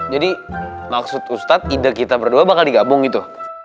jadi maksud ustadz ide kita berdua bakal digabung gitu